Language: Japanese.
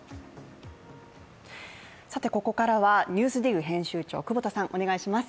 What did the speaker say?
ここからは「ＮＥＷＳＤＩＧ」編集長久保田さん、お願いします。